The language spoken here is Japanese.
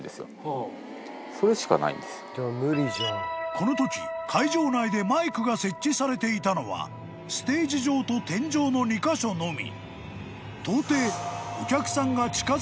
［このとき会場内でマイクが設置されていたのはステージ上と天井の２カ所のみ］